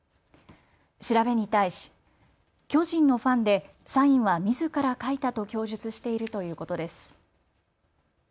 調べに対し、巨人のファンでサインはみずから書いたと供述しているということです。